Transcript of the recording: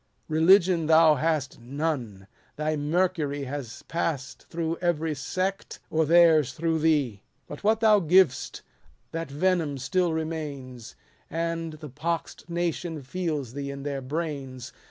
Religion thou hast none : thy mercury Has pass'd through eveiy sect, or theirs through thee. But what thou giv'st, that venom still remains, And the pox'd nation feels thee in their brains.